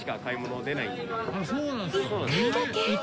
そうなんですか！